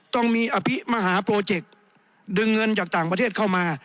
ต้องมีอภิมหาโปรเจกต์ดึงเงินจากต่างประเทศเข้ามา